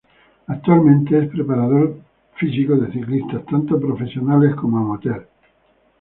Actualmente es preparador físico de ciclistas tanto profesionales como amateurs.